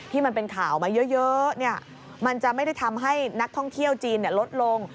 มันเป็นข่าวมาเยอะมันจะไม่ได้ทำให้นักท่องเที่ยวจีนลดลง